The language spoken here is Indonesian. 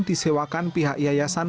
disewakan pihak yayasan